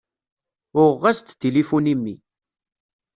Uɣeɣ-as-d tilifun i mmi.